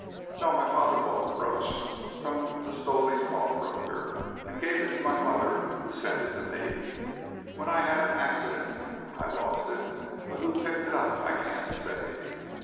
"No. My father bought the brooch from the Stowley pawnbroker, and gave it to my mother, who sent it to me. When I had an accident, I lost it, but who picked it up I can't say."